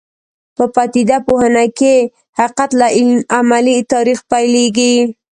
په پدیده پوهنه کې حقیقت له عملي تاریخ پیلېږي.